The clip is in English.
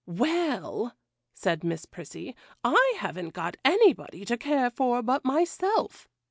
'Well,' said Miss Prissy, 'I haven't got anybody to care for but myself.